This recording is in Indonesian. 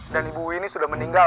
dan ibu ini sudah meninggal